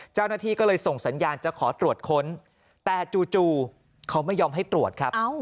เจ้าหน้าที่ก็เลยส่งสัญญาณจะขอตรวจค้นแต่จู่เขาไม่ยอมให้ตรวจครับ